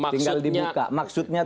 tinggal dibuka maksudnya